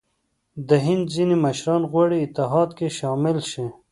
د هند ځیني مشران غواړي اتحاد کې شامل شي.